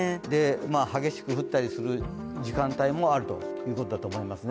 激しく降ったりする時間帯もあるということだと思いますね。